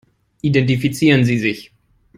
Identifizieren Sie sich.